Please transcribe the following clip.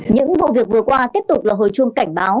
những vụ việc vừa qua tiếp tục là hồi chuông cảnh báo